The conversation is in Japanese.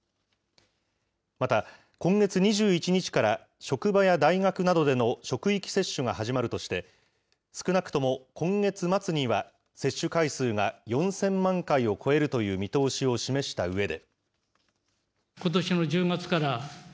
また、今月２１日から職場や大学などでの職域接種が始まるとして、少なくとも今月末には、接種回数が４０００万回を超えるという見通しを示したうえで。